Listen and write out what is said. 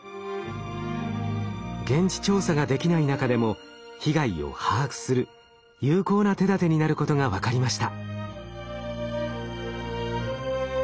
現地調査ができない中でも被害を把握する有効な手だてになることが分かりました。